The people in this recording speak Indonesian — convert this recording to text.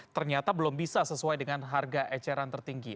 ternyata belum bisa sesuai dengan harga eceran tertinggi